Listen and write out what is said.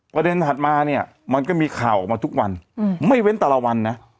ถัดมาเนี่ยมันก็มีข่าวออกมาทุกวันไม่เว้นแต่ละวันนะ